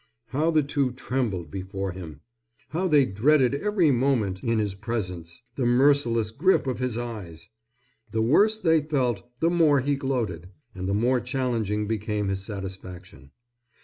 How the two trembled before him! How they dreaded every moment in his presence, the merciless grip of his eyes! The worse they felt the more he gloated, and the more challenging became his satisfaction.